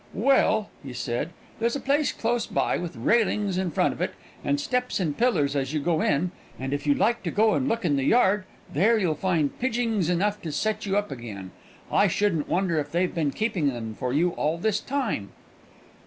"Well," he said, "there's a place close by, with railings in front of it, and steps and pillars as you go in, and if you like to go and look in the yard there you'll find pidgings enough to set you up again. I shouldn't wonder if they've been keeping them for you all this time."